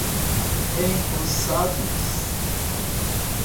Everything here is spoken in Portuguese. empossados